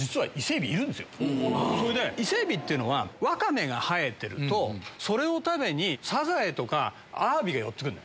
伊勢海老っていうのはワカメが生えてるとそれを食べにサザエとかアワビが寄って来る。